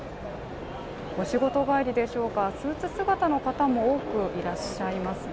お仕事帰りでしょうかスーツ姿の方も多くいらっしゃいますね。